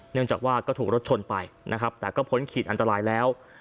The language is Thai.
เนื่องจากว่าก็ถูกรถชนไปนะครับแต่ก็พ้นขีดอันตรายแล้ว